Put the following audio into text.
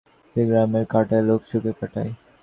শীতকালটা গ্রামের লোক সুখে কাটায়।